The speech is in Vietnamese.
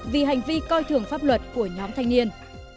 vì hành vi coi thường pháp luật của nhóm thanh niên